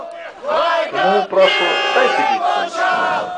Тому, прошу, дайте відповідь!